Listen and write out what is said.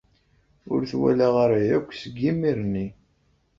Ur t-walaɣ ara akk seg yimir-nni.